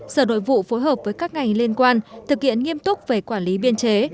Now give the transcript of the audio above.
sở nội vụ phối hợp với các ngành liên quan thực hiện nghiêm túc về quản lý biên chế